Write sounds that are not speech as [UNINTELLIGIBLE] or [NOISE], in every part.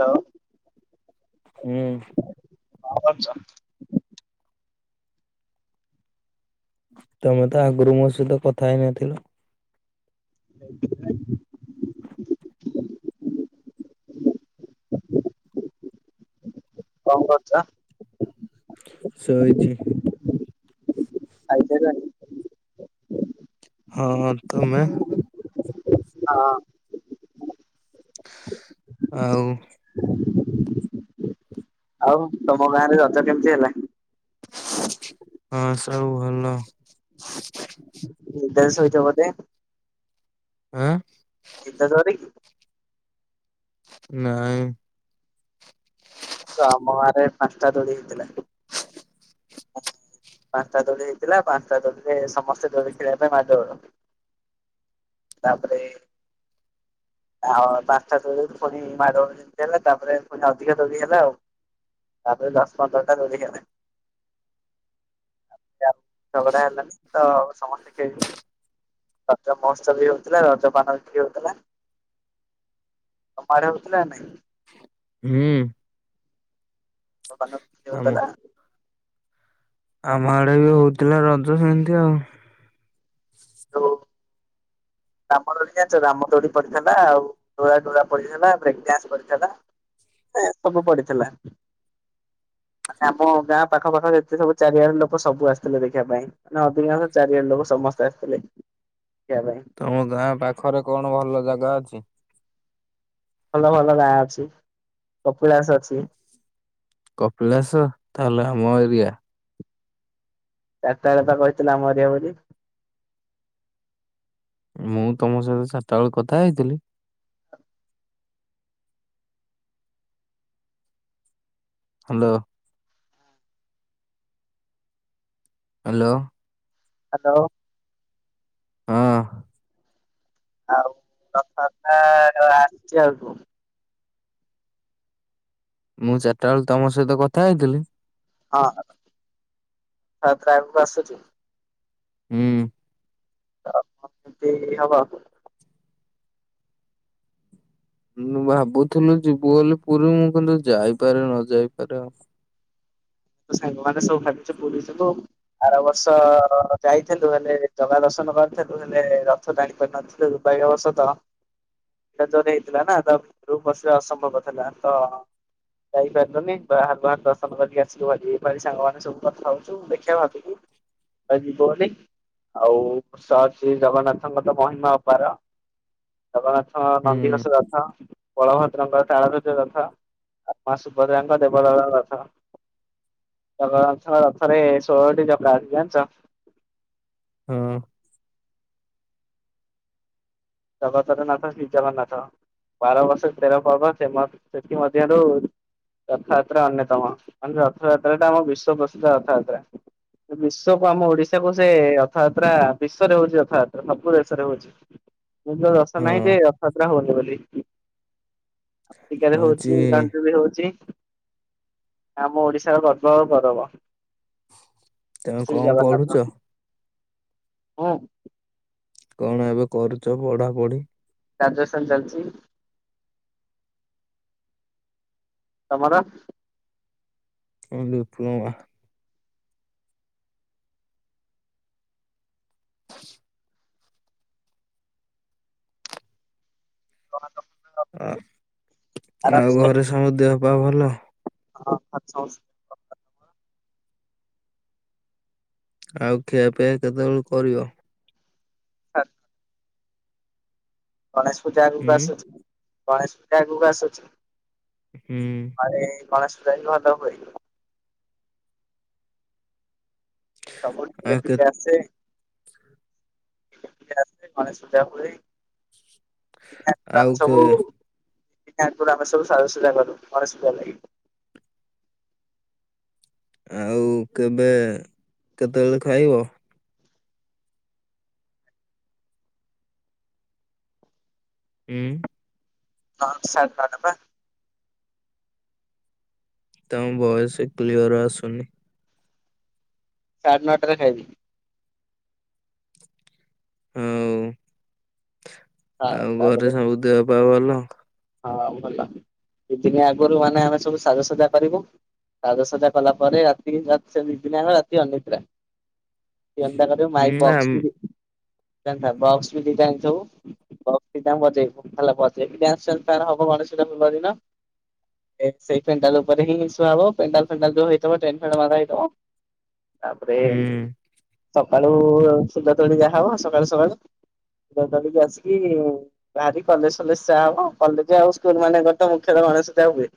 [UNINTELLIGIBLE] ହୁଁ। କଣ କରୁଚ? ତମେ ତ ଆଗରୁ ମୋ ସହିତ କଥା ହେଇନଥିଲ? [INAUDIBLE] କଣ କରୁଚ? ଶୋଇଚି। ଖାଇ ସାଇଲଣି? ହଁ। ତମେ? ହଁ। ଆଉ ଆଉ ତମ ଗାଁ ରେ ରଜ କେମିତି ହେଲା? ହଁ ସବୁ ଭଲ। ନିଦ ରେ ଶୋଇଚ ବୋଧେ? ଆଁ ନିଦ ଜୋରେ କି? ନାଇଁ। ତ ଆମ ଗାଁ ରେ ପାଞ୍ଚଟା ତୋଳି ହେଇଥିଲା। ପାଞ୍ଚଟା ଦୋଳି ହେଇଥିଲା। ପାଞ୍ଚଟା ଦୋଳିରେ ସମସ୍ତେ ଦୋଳି ଖେଳିବା ପାଇଁ ମାଡ଼ଗୋଳ। ତାପରେ ଆଉ ପାଞ୍ଚଟା ଦୋଳି ରୁ ପୁଣି ମାଡ଼ଗୋଳ ଯେମିତି ହେଲ ତାପରେ ପୁଣି ଅଧିକା ଦୋଳି ହେଲା ଆଉ। ତାପରେ ଦଶ ପନ୍ଦରଟା ଦୋଳି ହେଲା। [UNINTELLIGIBLE] ତ ସମସ୍ତେ ଖେଳିଲେ। ରଜ ମହୋତ୍ସବ ବି ହଉଥିଲା ରଜପାନ ବି ବିକ୍ରି ହଉଥିଲା। ତମ ଆଡେ ହଉଥିଲା ନା ନାଇଁ? ହୁଁ। ରଜ ପାନ ବିକ୍ରି ଆମ ହଉଥିଲା? ଆମ ଆଡେ ବି ହଉଥିଲା ରଜ ସେମିତି ଆଉ। [UNINTELLIGIBLE] ରାମଦୋଳି ଜାଣିଚ ରାମଦୋଳି ପଡିଥିଲା। ଆଉ ଟୋରା ଟୋରା ପଡ଼ିଥିଲା, ବ୍ରେକ ଡାନ୍ସ ପଡିଥିଲା। ଏ ସବୁ ପଡିଥିଲା। ମାନେ ଆମ ଗାଁ ପାଖ ପାଖ ଯେତେ ସବୁ ଚାରିଆଡ ଲୋକ ସବୁ ଆସିଥିଲେ ଦେଖିବା ପାଇଁ। ମାନେ ଅଧିକାଂଶ ଚାରି ଆଡ ଲୋକ ସମସ୍ତେ ଆସିଥିଲେ ଦେଖିବା ପାଇଁ। ତମ ଗାଁ ପାଖରେ କଣ ଭଲ ଜାଗା ଅଛି? ଭଲ ଭଲ ଗାଁ ଅଛି। କପିଳାସ ଅଛି। କପିଳାସ ତାହେଲେ ଆମ ଏରିଆ। ଚାରି ଟା ବେଳେ ପା କହିଥିଲି ଆମ ଏରିଆ ବୋଲି। ମୁଁ ତମ ସହିତ ଚାରିଟା ବେଳୁ କଥା ହେଇଥିଲି? ହ୍ୟାଲୋ। ହ୍ୟାଲୋ। ହ୍ୟାଲୋ। ହଁ। ଆଉ ରଥଯାତ୍ରା ଆସିଛି ଆଗକୁ ମୁଁ ଯେତେବେଳେ ତମ ସହିତ କଥା ହେଉଥିଲି, ହଁ [UNINTELLIGIBLE] ବସ ଅଛି। ହୁଁ ଆଉ କଣ ବି ହବ। ଭାବୁଥିଲୁ ଯିବୁବୋଲି ପୁରୀ ମୁଁ କିନ୍ତୁ ଯାଇପାରେ ନ ଯାଇପାରେ ଆଉ। ତ ସାଙ୍ଗ ମାନେ ସବୁ ଭାବିଛୁ ପୁରୀ ଯିବୁ। ଆର ବର୍ଷ ଯାଇଥିଲୁ ହେଲେ ଜଗା ଦର୍ଶନ କରିଥିଲୁ ହେଲେ ର ଥ ଟାଣିପାରିନଥିଲୁ ଏ ବ ଏଟା ଯୋଦ ହେଇଥିଲା ନା ତା ଭିତକୁ ପସିବା ଅସମ୍ଭବ ଥିଲା ତ ଯାଇପାରିଲୁନି ବାହାରୁ ବାହାରୁ ଦର୍ଶନ କରିକି ଆ ଆସିକ ଭାରି ଏ ପାଳି ସାଙ୍ଗମାନେ ସବୁ କଥା ହଉଛୁ ଦେଖେବା ଭାବିବୁ ଯିବ ବୋଲି ଆଉ ସହ ଶ୍ରୀ ଜଗନ୍ନାଥଙ୍କ ତ ମହିମା ଅ ପାର ଜଗନ୍ନାଥଙ୍କ ହୁଁ ନନ୍ଦିଘୋଷ ରଥ ବଳଭଦ୍ରଙ୍କର ତାଳଧୂଜ ରଥ। ଆଉ ମା ସୁଭଦ୍ରା ଙ୍କର ଦେବଦଳନ ରଥ ଜଗନ୍ନାଥ ରଥରେ ଷୋହଳଟି ଚକା ଅଛି ଜାଣିଛ। ହଁ। ଜଗତର ନାଥ ଶ୍ରୀ ଜଗନ୍ନାଥ। ବାର ବର୍ଷ ତେର ପର୍ବ ସେ ମ ସେଥି ମଧ୍ୟରୁ ରଥଯାତ୍ରା ଅନ୍ୟତମ ରଥଯାତ୍ରାଟା ଆମ ବିଶ୍ୱ ପ୍ରସିଦ୍ଧ ରଥଯାତ୍ରା। ବିଶ୍ଵ କୁ ଆମ ଓଡିଶା କୁ ସେ ରଥଯାତ୍ରା ବିଶ୍ୱରେ ହଉଛି ରଥଯାତ୍ରା ସବୁ ଦେଶରେ ହଉଛି। ଏମିତକା ଦେଶ ହଁ ନାହିଁ ଯେ ରଥଯାତ୍ରା ହଉନି ବୋଲି। ଆମେରିକା ରେ ହଉଛି ଇରାନରେ ବି ହଉଛି। ଆମ ଓଡିଶାର ଗର୍ବ ଆଉ ଗଉରବ। ତମେ କଣ ପଢୁଛ? ମୁଁ। କଣ ଏବେ କରୁଛ ପଢା ପଢି? ଗ୍ରାଜୁଏସନ ଚାଲିଛି। ତମର। ଡିପ୍ଲୋମା। [INAUDIBLE] ଆ ଆରାମ ଆଉ ସେ ଘରେ ସବୁ ଦେହ ପା ଭଲ। ହଁ ଘରେ ସମ ଆଉ ଖିଆ ପିଆ କେତେବେଳୁ କରିବ? [INAUDIBLE] ଗଣେଶ ପୂଜା ଆଗକୁ ହୁଁ ଆସୁଛି ଗଣେଶ ପୂଜା ଆଗକୁ ଆସୁଛି। ହୁଁ। ତାପରେ ଏଇ ଗଣେଶ ପୂଜା ବି ଭଲ ହୁଏ। ସବୁ ଆଉ କେ [UNINTELLIGIBLE] ଆସେ। ଆସେ ଗଣେଶ ପୂଜା ହୁଏ ଆଉ ଆମେ କେ ସବୁ [UNINTELLIGIBLE] ତା ଆଗରୁ ଆମେ ସବୁ ସାଯଶଜା କରୁ ଗଣେଶ ପୂଜା ଲାଗି। ଆଉ କେବେ କେତେବେଳେ ଖୁଆଇବ। ହୁଁ। ହଁ ସାଢେ ନଅ 'ଟା ପା। ତମ ବୟସ କ୍ଲିଅର ଆସୁନି। ସାଢେ ନଅ'ଟାରେ ଖାଇବି। ହଉ ହଁ ଆଉ ତାପରେ ଘରେ ସବୁ ଦେହ ପା ଭଲ? ହଁ ଆଉ ଭଲ କିଛି ଦିନି ଆଗରୁ ମାନେ ଆମେ ସବୁ ସାଜସଜା କରିବୁ। ସାଜ ସଜା କଲା ପରେ ରାତି ସେଇ ଦି ଦିନ ଆମେ ରାତି ଅନିଦ୍ରା। ସେ ଏତା କର ମାାଇକ ହୁଁ ବକ୍ସ ଆମ୍ ବି [UNINTELLIGIBLE] ବକ୍ସ ବି ଦ ଜାଣିଥିବୁ ବକ୍ସ ବି ବଜେଇ ବୁ ହେଲା ବଜେଇକି [UNINTELLIGIBLE] ବାଣ ହବ ଗଣେଶ ପୂଜା [UNINTELLIGIBLE] ଦିନ ଏ ସେଇ ପେଣ୍ଡାଲ ଉପରେ ହିଁ ରିଲସ ହବ, ପେଣ୍ଡାଲ ଫେଣ୍ଡାଲ ଯଉ ହେଇଥବ [UNINTELLIGIBLE] ତାପରେ ହୁଁ ସକାଳୁ ସୁଧ ତୁଳି ଯାହା ହବ ସକାଳୁ ସକାଳୁ [UNINTELLIGIBLE] ଆସିକି ବାହାରି କଲେଜ ଫଲେଜ ଯାହା ହବ। କଲେଜ ଆଉ ସ୍କୁଲ ମାନଙ୍କର ତ ମୁଖ୍ୟତଃ ଗଣେଶ ପୂଜା ହୁଏ।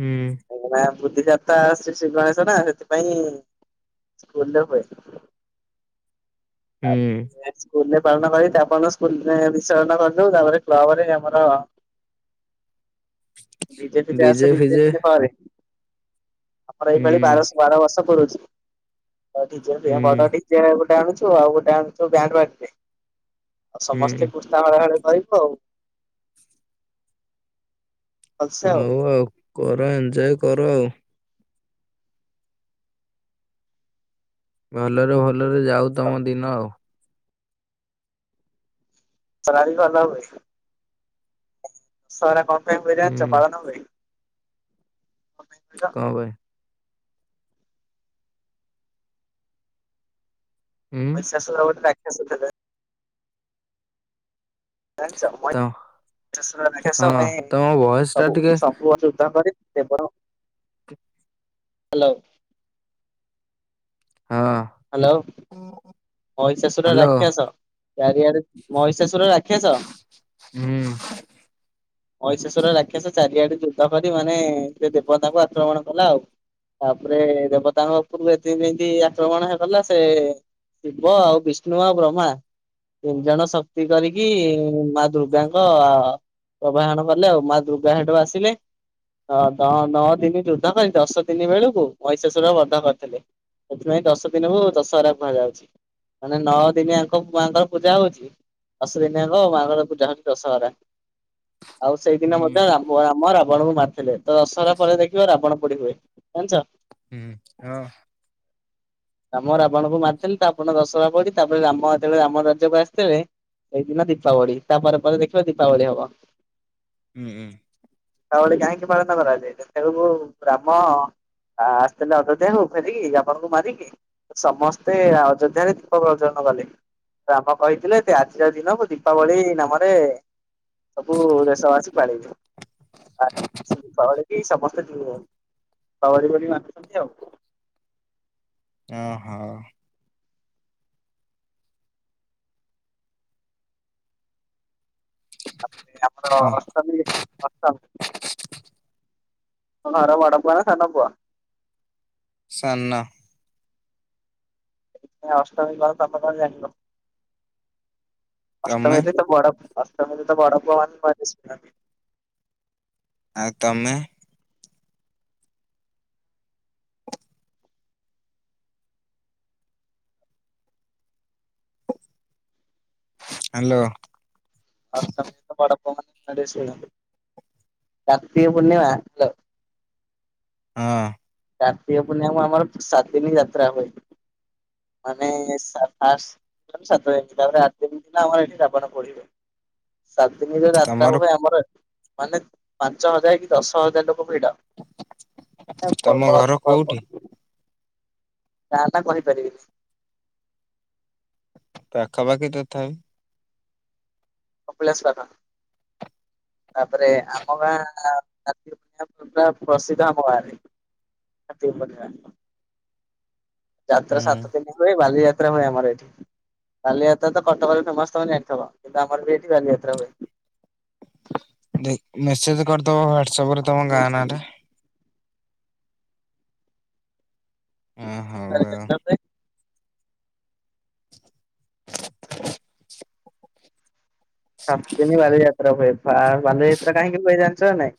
ହୁଁ। ଆ ବୁଦ୍ଧି ଦାତା ଆସଛି ଶ୍ରୀ ଗଣେଶ ନା ସେଥିପାଇଁ ସ୍କୁଲରେ ହୁଏ। [INAUDIBLE] ହୁଁ ତାପରେ ସ୍କୁଲରେ ପାଳନ କରି ତାପର ଦିନ ସ୍କୁଲ [UNINTELLIGIBLE] ବିସର୍ଜନ କରିଦବୁ ତାପରେ ବିଜେପି ତ ଡିଜେ ଆସେ ଦି ଫିଜେ ତିନ ଦିନ ପରେ। ଆମର ଏଇଭଳି ହୁଁ ବାରଶ ବାର ବର୍ଷ ପରୁୁଛି ହୁଁ ଗୋଟେ ଆଣୁଛୁ ଆଉ ଗୋଟେ ଆଣୁଛ ବ୍ୟାଣ୍ଡରେ ଆଉ ସମସ୍ତେ ହୁଁ ଡ ରହିବୁ ଆଉ। ହଉ ଆଉ କର, ଏଞ୍ଜୟ କର ଆଉ। ଭଲରେ, ଭଲରେ ଯାଉ ତମ ଦଶହରା ଦିନ ଆଉ। [UNINTELLIGIBLE] ସା କଣ ପାଇଁ ବରି ହୁଁ ପାଳନ ହୁଏ। [INAUDIBLE] କଣ ଭାଇ? ହୁଁ ଗୋଟେ ରାକ୍ଷାସ ଥିଲା। ତ ହଁ [UNINTELLIGIBLE] ତମ ଭଏସ ଟା ଟିକେ ସେପର ହ୍ୟାଲୋ। ହଁ। ହ୍ୟାଲୋ। ଓ। ମହିଷାଶୁର ରାକ୍ଷସ ଚାରିଆଡେ ମହିଷାଶୁର ରାକ୍ଷସ। ହୁଁ। [INAUDIBLE] ମଇଶେଶ୍ଵର ରାକ୍ଷସ ଚାରିଆଡେ ଯୁଦ୍ଧ କରି ମାନେ ସେ ଦେବତାଙ୍କୁ ଆକ୍ରମଣ କଲା ଆଉ। ତାପରେ ଦେବତାଙ୍କ ଉପର ଏତିକି ଯେମତି ଆକ୍ରମଣ ହେଇଗଲା ସେ ଶିବ ଆଉ ବିଷ୍ଣୁ ଆଉ ବ୍ରହ୍ମା ତିନି ଜଣ ଶକ୍ତି କରିକି ମା ଦୁର୍ଗାଙ୍କ ପ୍ରଭାହଣ କଲେ ଆଉ ମା ଦୁର୍ଗା ହେଟୁ ଆସିଲେ। ହଁ ନଅ ଦିନ ଯୁଦ୍ଧ କରି ଦଶ ଦିନି ବେଳକୁ ମଇଁଶେଶ୍ଵରା ବଧ କରିଥିଲେ। ସେଥିପାଇଁ ଦଶ ଦିନକୁ ଦଶହରା କୁହାଯାଉଛି। ମାନେ ନଅ ଦିନି ଆଙ୍କ ମାଆଙ୍କର ପୂଜା ହଉଛି। ଦଶ ଦିନିଆଙ୍କ ମାଙ୍କର ପୂଜା ହଉଛି ଦଶହରା। ଆଉ ସେଇଦିନ ହୁଁ ମଧ୍ୟ ଆମ ରାବଣଙ୍କୁ ମାରିଥିଲେ ତ ଦଶହରା ପରେ ଦେଖିବ ରାବଣ ପୋଡି ହୁଏ। ଜାଣିଛ। ହୁଁ ହଁ। ରାମ ରାବଣଙ୍କୁ ମାରଥିଲେ ତା ଆପଣ ଦଶହାପଡିି ତାପରେ ରାମ ଯେତେବେଳେ ରାମ ରାଜ୍ୟ ଆସିଥିଲେ ଏଇଦିନ ଦୀପାବଳି ତାପରେ ପରେ ଦେଖିବା ଦୀପାବଳି ହବ। ଉୁଁ ହଁ। ଦିପବଳି କାହିଁକି ପାଳନ କରାଯାଏ ସେତେବେଳକୁ ରାମ ଆ ଆସିଥିଲେ ଅଯୋଧ୍ୟାକୁ ଫେରିକି ରାବଣ ମାରିକି ସମସ୍ତେ ଆ ଅଯୋଧ୍ୟା ରେ ଦୀପ ପ୍ରଜ୍ୟୋଳନ କଲେ। ରାମ କହିଥିଲେ ସେ ଆଜିର ଦିନକୁ ଦୀପାବଳି ନାମରେ ସବୁ ଦେଶ ବାସୀ ପାଳିଲେ। ଏଇ ସମସ୍ତେ ଯୋଉ ଦୀପାବଳି ବୋଲି ମାନୁଛନ୍ତି ଆଉ। ଓହୋ। ତାପରେ ହଁ ଆମର ଅଷ୍ଟମୀ। [UNINTELLIGIBLE] ଘରର ବଡ଼ ପୁଅ ନା ସାନ ପୁଅ? ସାନ। ଅଷ୍ଟମୀ କଣ ତମେ କଣ ଜାଣିବ। ତମେ ଅଷ୍ଟମୀରେ ତ ବଡ଼ ଅଷ୍ଟମୀରେ ତ ବଡ଼ ପୁଅ ମାନେ ନୂଆ ଡ୍ରେସ୍ ପିନ୍ଧନ୍ତି। ଆଉ ତମେ। ହ୍ୟାଲୋ। ଅଷ୍ଟମିତ ବଡ଼ ପୁଅମାନେ ଡ୍ରେସ୍ ପିନ୍ଧନ୍ତି। କାର୍ତ୍ତିକ ପୂର୍ଣିମା ହ୍ୟାଲୋ। ହଁ। କାର୍ତ୍ତିକ ପୂର୍ଣିମା ଆମର ସାତ ଦିନ ଯାତ୍ରା ହୁଏ ମାନେ ଫାସ ସାତ ତାପରେ ଆଠ ଦିନ ଆମର ଏଠି ରାବଣ ପୋଡିବେ। ସାତ ଦିନରେ ଯାତ୍ରା ତମର ହୁଏ ଆମର ମାନେ ପାଞ୍ଚ ହଜାର କି ଦଶ ହଜାର ଲୋକ ଭିଡ଼। ତମ ଘର କୋଉଠି? ଗାଁ ନା କହିପାରିବିନି। ପାଖାପାଖି ତଥାପି। କପିଳାସ ପାଖ ତାପରେ ଆମ ଗାଁ [UNINTELLIGIBLE] ପୁରା ପ୍ରସିଦ୍ଧ ଆମ ଗାଁରେ କାର୍ତ୍ତିକ ପୂଣ୍ଣିମା। ଯାତ୍ରା ହୁଁ ସାତ ଦିନ ହୁଏ ବାଲି ଯାତ୍ ଯାତା ହୁଏ ଆମର ଏଠି ବାଲିଯାତ୍ରା ତ କଟକରେ ଫେମସ ତମେ ଜାଣିଥିବ କିନ୍ତୁ ଆମର ବି ଏଠି ବାଲିଯାତ୍ରା ହୁଏ। ଧେ ମେସେଜ କରିଦବ ହ୍ଵାଟସପରେ ତମ ହୁଁ ଗାଁ ହୁଁ। ନାଁଟା? ହଁ ହଉ ଆଉ [UNINTELLIGIBLE] ହ ସାତଦିନ ବାଲିଯାତ୍ରା ହୁଏ ପା ବାଲିଯାତ୍ରା କହିଁକି ହୁଏ ଜାଣିଛ ନାଇ?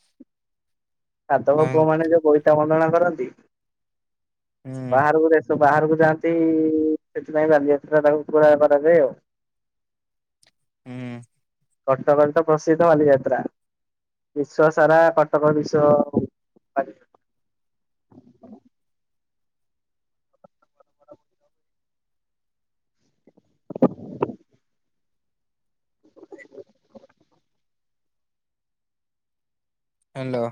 ସାଧବ କାଇଁ ପୁଅମାନେ ଯୋଉ ବୋଇତ ବନ୍ଦଣା କରନ୍ତି ହୁଁ ବାହାରକୁ ଦା ସ ବାହାରକୁ ଯାଆନ୍ତି ସେଥିପାଇଁ ବାଲିଯାତ୍ରା ତାକୁ ପୁରା କରାଯାଏ ଆଉ। ହୁଁ। କଟକରେ ତ ପ୍ରସିଦ୍ଧ ବାଲିଯାତ୍ରା ବିଶ୍ଵ ସାରା କଟକ ବିଶ ହ ହ୍ୟାଲୋ।